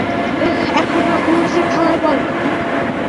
এখন না, পুরুষদের খাওয়ার পর।